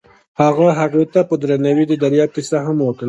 هغه هغې ته په درناوي د دریاب کیسه هم وکړه.